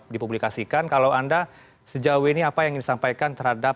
dipublikasikan kalau anda sejauh ini apa yang ingin disampaikan terhadap